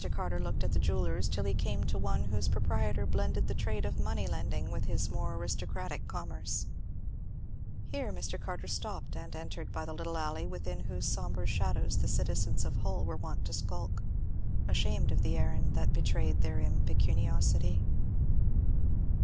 Carter looked at the jewellers till he came to one whose proprietor blended the trade of money lending with his more aristocratic commerce. Here Mr. Carter stopped, and entered by the little alley, within whose sombre shadows the citizens of Hull were wont to skulk, ashamed of the errand that betrayed their impecuniosity.